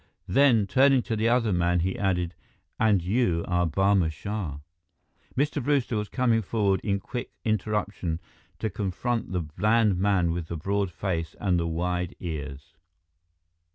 Then, turning to the other man, he added, "And you are Barma Shah " Mr. Brewster was coming forward in quick interruption to confront the bland man with the broad face and the wide ears.